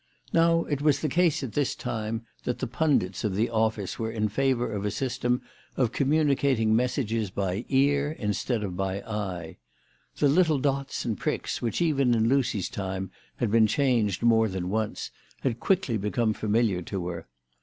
Now it was the case at this time that the pundits of the office were in favour of a system of communicating messages by ear instead of by eye. The little dots and pricks which even in Lucy's time had been changed more than once, had quickly become familiar to her.